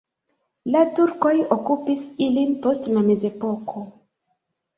La turkoj okupis ilin post la mezepoko.